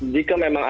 jika memang ada